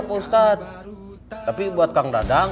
pak ustaz mau berbagi ilmu